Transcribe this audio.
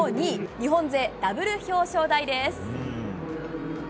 日本勢ダブル表彰台です。